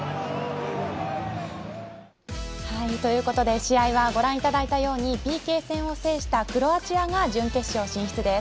はいということで試合はご覧いただいたようにＰＫ戦を制したクロアチアが準決勝進出です。